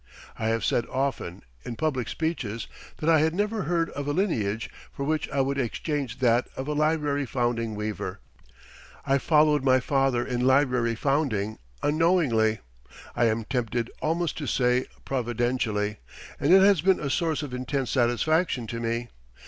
I have said often, in public speeches, that I had never heard of a lineage for which I would exchange that of a library founding weaver. I followed my father in library founding unknowingly I am tempted almost to say providentially and it has been a source of intense satisfaction to me.